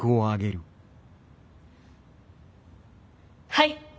はい。